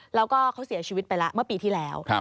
แล้วก็เขาเสียชีวิตไปแล้วเมื่อปีที่แล้ว